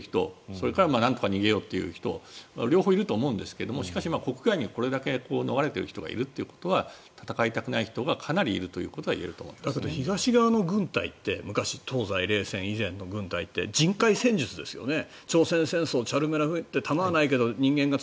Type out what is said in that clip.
それからなんとか逃げようという人両方いると思うんですがしかし、国外にこれだけ逃れている人がいるということは戦いたくない人がかなりいることはだけど東の戦隊って昔、東西冷戦以前の軍隊って人海戦術ですよね。